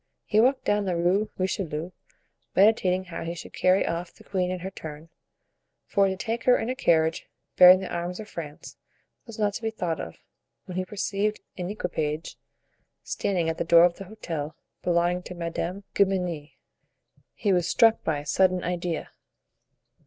He walked down the Rue Richelieu, meditating how he should carry off the queen in her turn, for to take her in a carriage bearing the arms of France was not to be thought of, when he perceived an equipage standing at the door of the hotel belonging to Madame de Guemenee. He was struck by a sudden idea.